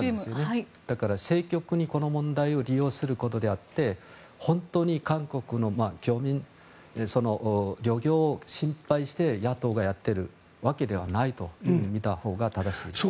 政局にこの問題を利用することであって本当に韓国の漁民漁業を心配して野党がやっているわけではないと見たほうが正しいです。